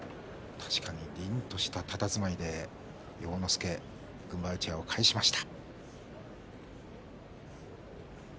確かにりんとしたたたずまいで要之助が軍配うちわを返しました。